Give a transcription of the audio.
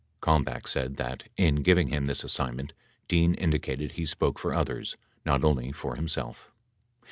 69 Kalm bach said that, in giving him this assignment, Dean indicated he spoke for others, not only for himself.